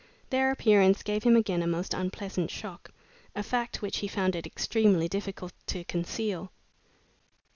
Their appearance gave him again a most unpleasant shock, a fact which he found it extremely difficult to conceal.